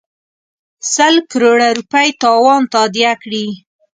سل کروړه روپۍ تاوان تادیه کړي.